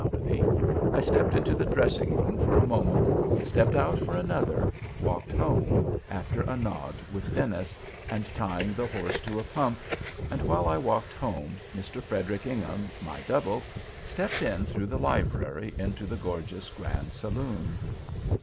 —I stepped into the dressing room for a moment—stepped out for another—walked home, after a nod with Dennis, and tying the horse to a pump—and while I walked home, Mr. Frederic Ingham, my double, stepped in through the library into the Gorges's grand saloon.